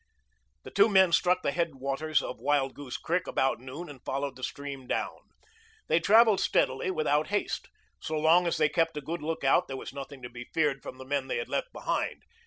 The two men struck the headwaters of Wild Goose Creek about noon and followed the stream down. They traveled steadily without haste. So long as they kept a good lookout there was nothing to be feared from the men they had left behind.